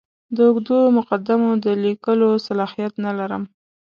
د اوږدو مقدمو د لیکلو صلاحیت نه لرم.